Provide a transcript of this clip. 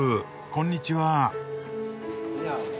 こんにちは。